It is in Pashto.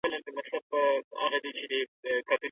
موټر چلونکی د خپل قسمت د بدلون په تمه ناست دی.